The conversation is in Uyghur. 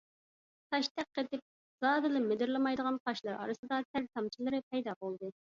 تاشتەك قېتىپ زادىلا مىدىرلىمايدىغان قاشلىرى ئارىسىدا تەر تامچىلىرى پەيدا بولدى.